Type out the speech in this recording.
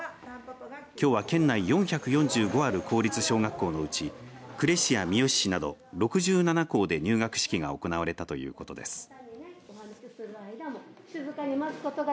きょうは県内４４５ある公立小学校のうち呉市や三次市など６７校で入学式が行われたということです。